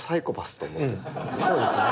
そうですね。